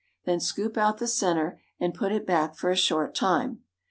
Then scoop out the centre and put it back for a short time.